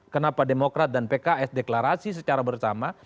kenapa demokrat dan pks deklarasi secara bersama